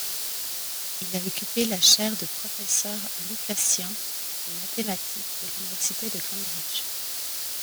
Il a occupé la chaire de professeur lucasien de mathématiques de l'université de Cambridge.